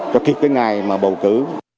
cho kết cái ngày mà bầu cử